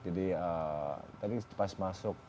jadi pas masuk